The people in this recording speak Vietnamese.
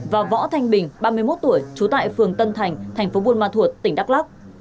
và võ thanh bình ba mươi một tuổi chú tại phường tân thành tp buôn ma thuột tỉnh đắk lắc